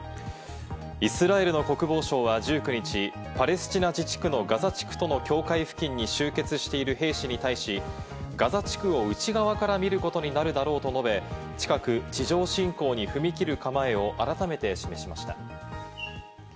イスラエルの国防相は１９日、パレスチナ自治区のガザ地区との境界付近に集結している兵士に対し、ガザ地区を内側から見ることになるだろうと述べ、近く地上侵攻に踏み切る構えを改めて示しました。